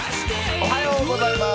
おはようございます。